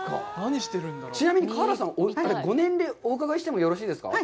ちなみに川原さんはご年齢をお伺いしてもよろしいですか。